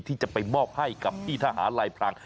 ที่จะไปมอบให้กับพี่ทหารลายพราง